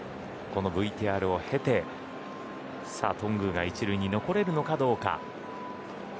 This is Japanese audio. このＶＴＲを経て頓宮が１塁に残れるのかどうか。